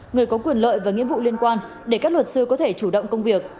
người có quyền lợi và nghĩa vụ liên quan để các luật sư có thể chủ động công việc